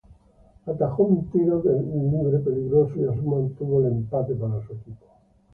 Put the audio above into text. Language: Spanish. Atajó un tiro libre peligroso y así mantuvo el empate para su equipo.